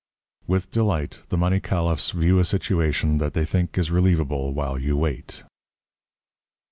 With delight the money caliphs view a situation that they think is relievable while you wait.